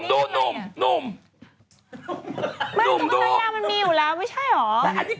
ไม่ตัวกรรมัญญามันมีอยู่แล้วไม่ใช่หรอ